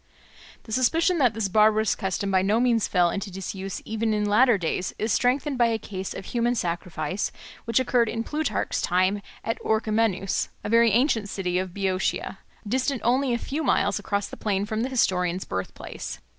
The suspicion that this barbarous custom by no means fell into disuse even in later days is strengthened by a case of human sacrifice which occurred in Plutarch's time at Orchomenus, a very ancient city of Boeotia, distant only a few miles across the plain from the historian's birthplace.